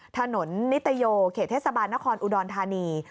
ถนนนิตโยเขตเทศบาลนครอุดรธานี